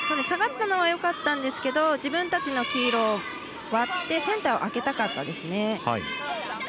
下がったのはよかったんですけど自分たちの黄色を割ってセンターを空けたかったですね。